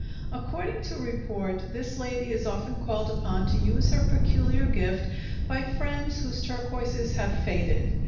According to report, this lady is often called upon to use her peculiar gift by friends whose turquoises have faded.